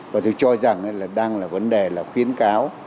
và tôi cho rằng là đang là vấn đề là khuyến cáo